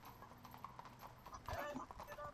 kuhama Wengi wao walikwenda Azabajani ambapo walipokea